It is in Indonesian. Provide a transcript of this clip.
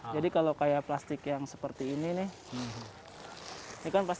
jadi kalau kayak plastik yang seperti ini nih